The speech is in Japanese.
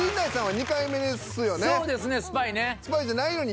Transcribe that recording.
そうですねスパイね。